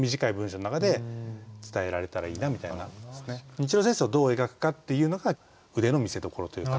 日露戦争をどう描くかっていうのが腕の見せどころというか。